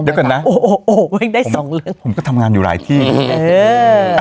เดี๋ยวก่อนนะโอ้โหวิ่งได้สองเรื่องผมก็ทำงานอยู่หลายที่เออ